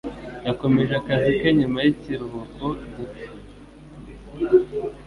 Yakomeje akazi ke nyuma yikiruhuko gito.